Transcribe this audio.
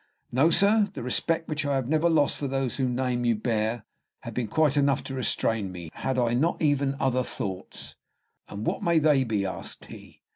"No, sir; the respect which I have never lost for those whose name you bear had been quite enough to restrain me, had I not even other thoughts." "And what may they be?" asked he.